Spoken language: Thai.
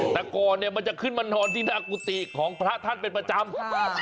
แต่ก่อนเนี่ยมันจะขึ้นมานอนที่หน้ากุฏิของพระท่านเป็นประจำ